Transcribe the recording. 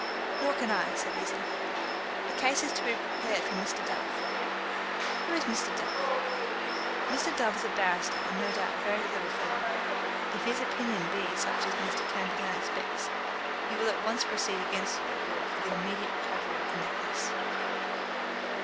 "Nor can I," said Lizzie. "A case is to be prepared for Mr. Dove." "Who is Mr. Dove?" "Mr. Dove is a barrister, and no doubt a very clever fellow. If his opinion be such as Mr. Camperdown expects, he will at once proceed against you at law for the immediate recovery of the necklace."